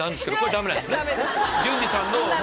ダメです。